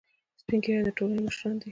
سپین ږیری د ټولنې مشران دي